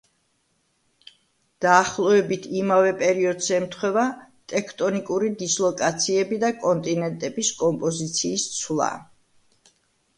დაახლოებით იმავე პერიოდს ემთხვევა ტექტონიკური დისლოკაციები და კონტინენტების კომპოზიციის ცვლა.